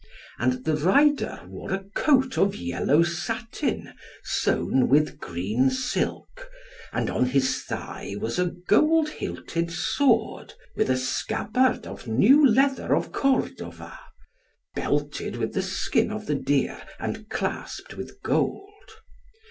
And the rider wore a coat of yellow satin sewn with green silk, and on his thigh was a gold hilted sword, with a scabbard of new leather of Cordova, belted with the skin of the deer, and clasped with gold.